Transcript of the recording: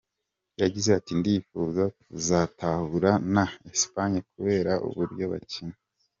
Yagize ati “Ndifuza kutazahura na Espagne kubera uburyo bakina.